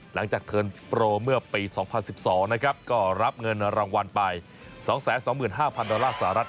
เทิร์นโปรเมื่อปี๒๐๑๒นะครับก็รับเงินรางวัลไป๒๒๕๐๐ดอลลาร์สหรัฐ